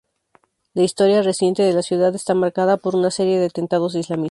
La historia reciente de la ciudad está marcada por una serie de atentados islamistas.